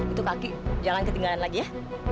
itu kaki jangan ketinggalan lagi ya